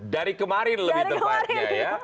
dari kemarin lebih tepatnya ya